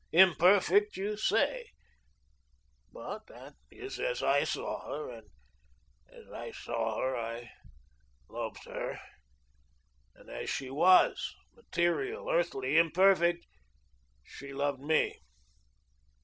Imperfect, you say; but that is as I saw her, and as I saw her, I loved her; and as she WAS, material, earthly, imperfect, she loved me.